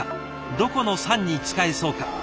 どこの桟に使えそうか。